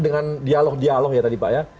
dengan dialog dialog ya tadi pak ya